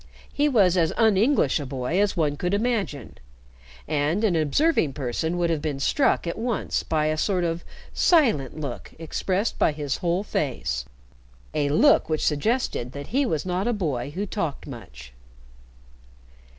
He was as un English a boy as one could imagine, and an observing person would have been struck at once by a sort of silent look expressed by his whole face, a look which suggested that he was not a boy who talked much.